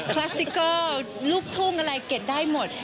คลัสสิกเกิล์ลูกทุ้งอะไรเกดได้หมด